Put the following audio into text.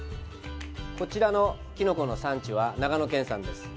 こちらの、きのこの産地は長野県産です。